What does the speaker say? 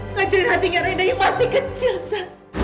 ngancurin hatinya reina yang masih kecil sa